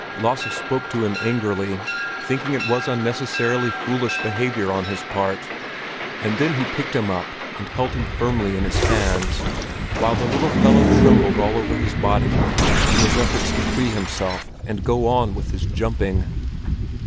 Lasse spoke to him angrily, thinking it was unnecessarily foolish behavior on his part; and then he picked him up and held him firmly in his hands, while the little fellow trembled all over his body in his efforts to free himself and go on with his jumping.